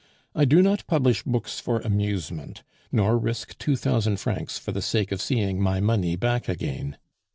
"I do not publish books for amusement, nor risk two thousand francs for the sake of seeing my money back again.